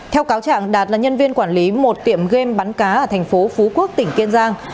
theo cáo trạng đạt là nhân viên quản lý một tiệm game bắn cá ở thành phố phú quốc tỉnh kiên giang